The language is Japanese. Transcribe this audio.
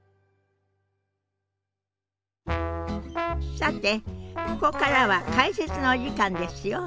さてここからは解説のお時間ですよ。